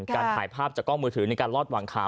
การถ่ายภาพจากกล้องมือถือในการลอดหวังข่าว